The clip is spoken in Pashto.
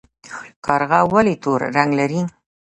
کارغه ولې تور رنګ لري؟